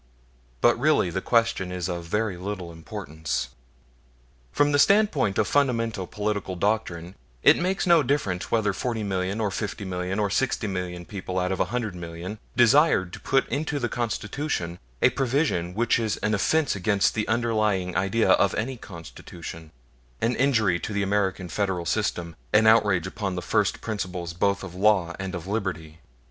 But really the question is of very little importance. From the standpoint of fundamental political doctrine, it makes no difference whether 40 million, or 50 million, or 60 million people out of a hundred million desired to put into the Constitution a provision which is an offense against the underlying idea of any Constitution, an injury to the American Federal system, an outrage upon the first principles both of law and of liberty.